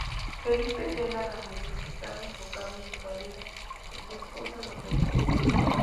Felipe Tena Ramírez estaba enfocado en su carrera y su esposa lo apoyaba.